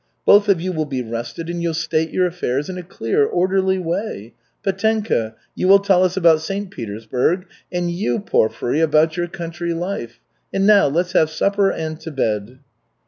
Both of you will be rested and you'll state your affairs in a clear, orderly way. Petenka, you will tell us about St. Petersburg and you, Porfiry, about your country life. And now, let's have supper and to bed!"